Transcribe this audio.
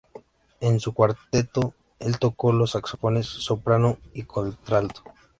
En su cuarteto el tocó los Saxofones Soprano y Contralto.